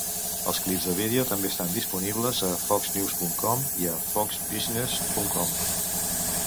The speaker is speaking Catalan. Els clips de vídeo també estan disponibles a Foxnews.com i a Foxbusiness.com.